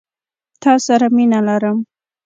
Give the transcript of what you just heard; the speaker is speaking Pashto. تا سره مينه لرم.